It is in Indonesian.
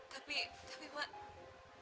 tapi tapi mbak